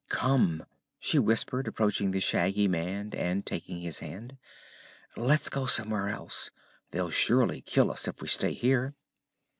"Come," she whispered, approaching the Shaggy Man and taking his hand; "let's go somewhere else. They'll surely kill us if we stay here!"